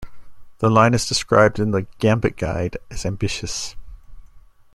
The line is described in the "Gambit Guide" as "ambitious".